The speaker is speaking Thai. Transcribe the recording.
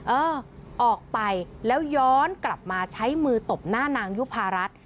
เออออกไปแล้วย้อนกลับมาใช้มือตบหน้านางยุภารัฐ